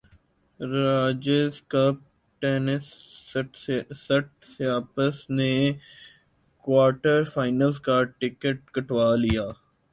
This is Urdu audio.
راجرز کپ ٹینس سٹسیپاس نے کوارٹر فائنل کا ٹکٹ کٹوا لیا